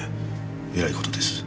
えらい事です。